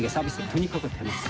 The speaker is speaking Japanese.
とにかく出ます。